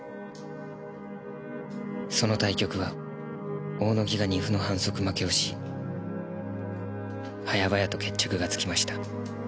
その対局は大野木が二歩の反則負けをし早々と決着がつきました。